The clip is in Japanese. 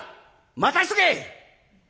「待たしとけ！」。